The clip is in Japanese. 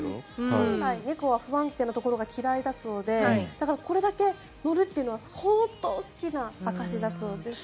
本来、猫は不安定なところが嫌いだそうでだからこれだけ乗るということは相当好きな証しだそうです。